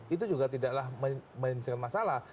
itu juga tidaklah menyelesaikan masalah